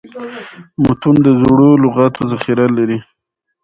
متون د زړو لغاتو ذخیره لري.